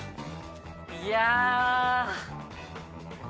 いや。